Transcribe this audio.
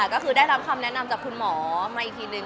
ก็คือได้รับคำแนะนำจากคุณหมอมาอีกทีนึง